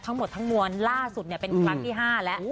ทั้งหมดทั้งมวลล่าสุดเป็นครั้งที่๕แล้ว